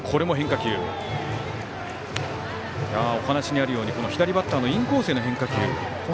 お話にあるように左バッターへのインコースへの変化球。